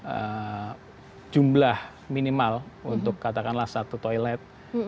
ada jumlah minimal untuk katakanlah satu toilet